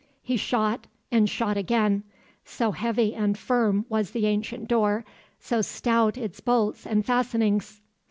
He shot and shot again; so heavy and firm was the ancient door, so stout its bolts and fastenings.